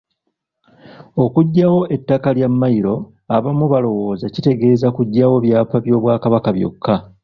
Okuggyawo ettaka lya mmayiro abamu balowooza kitegeeza kuggyawo byapa by’Obwakabaka byokka.